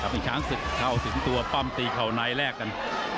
มีช้างสตรีเข้าสินตัวปั้มตีเข้าในแลกกัน